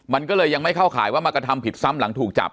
มันก็เลยยังไม่เข้าข่ายว่ามากระทำผิดซ้ำหลังถูกจับ